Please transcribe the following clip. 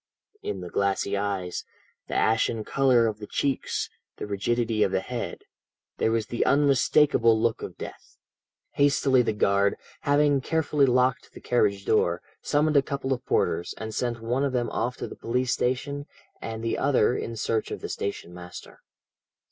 In the glassy eyes, the ashen colour of the cheeks, the rigidity of the head, there was the unmistakable look of death. "Hastily the guard, having carefully locked the carriage door, summoned a couple of porters, and sent one of them off to the police station, and the other in search of the station master.